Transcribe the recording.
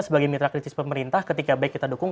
sebagai mitra kritis pemerintah ketika baik kita dukung